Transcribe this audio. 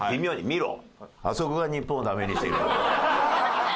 「見ろあそこが日本をダメにしている所だ」